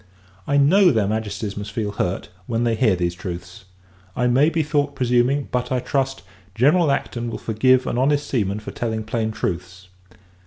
I know, their Majesties must feel hurt, when they hear these truths. I may be thought presuming; but, I trust, General Acton will forgive an honest seaman for telling plain truths.